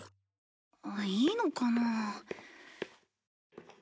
いいのかな？